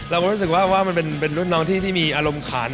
เราก็รู้สึกว่าว่ามันเป็นรุ่นน้องที่มีอารมณ์ขัน